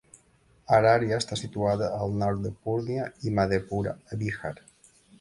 Araria està situada al nord de Purnia i Madhepura, a Bihar.